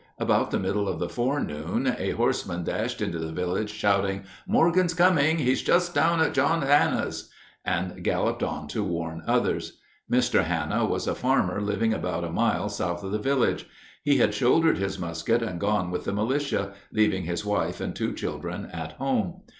About the middle of the forenoon a horseman dashed into the village shouting, "Morgan's coming! He's just down at John Hanna's!" and galloped on to warn others. Mr. Hanna was a farmer living about a mile south of the village. He had shouldered his musket and gone with the militia, leaving his wife and two children at home.